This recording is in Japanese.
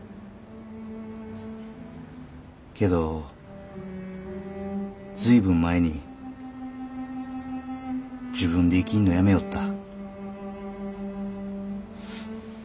けど随分前に自分で生きんのやめよった。